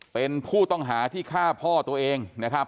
เป็นผู้ต้องหาที่ฆ่าพ่อตัวเองนะครับ